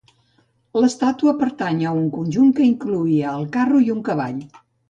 L'estàtua pertany a un conjunt que incloïa el carro i un cavall.